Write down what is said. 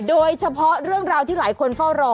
โดยเฉพาะเรื่องราวที่หลายคนเฝ้ารอ